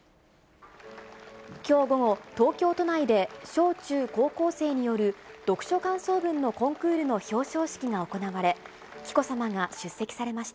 きょう午後、東京都内で小中高校生による読書感想文のコンクールの表彰式が行われ、紀子さまが出席されました。